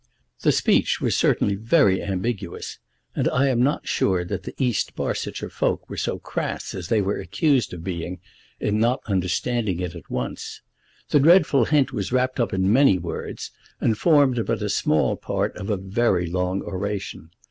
The speech was certainly very ambiguous, and I am not sure that the East Barsetshire folk were so crass as they were accused of being, in not understanding it at once. The dreadful hint was wrapped up in many words, and formed but a small part of a very long oration.